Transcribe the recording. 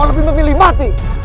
kau lebih memilih mati